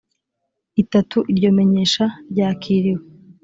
itatu iryo menyesha ryakiriwe